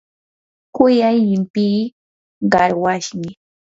kuyay llimpii qarwashmi.